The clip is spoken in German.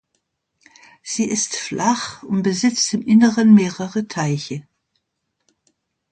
Sie ist flach und besitzt im Inneren mehrere Teiche.